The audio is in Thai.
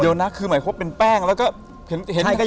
เดี๋ยวนะคือหมายคบเป็นแป้งแล้วก็เห็น